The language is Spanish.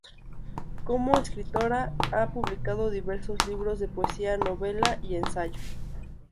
Como escritora ha publicado diversos libros de poesía, novela y ensayo.